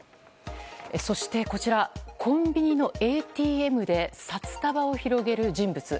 そして、こちらコンビのＡＴＭで札束を広げる人物。